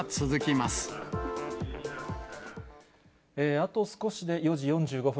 あと少しで４時４５分、